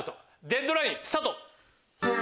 デッドライン！スタート。